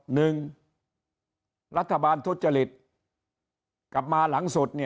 หนึ่งรัฐบาลทุจริตกลับมาหลังสุด